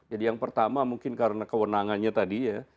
jadi yang pertama mungkin karena kewenangannya tadi ya